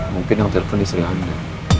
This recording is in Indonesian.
mungkin yang telpon di sini